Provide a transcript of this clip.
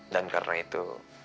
dan karena itu